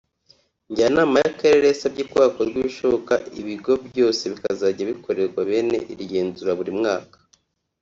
Njyanama y’Akarere yasabye ko hakorwa ibishoboka ibigo byose bikazajya bikorerwa bene iri genzura buri mwaka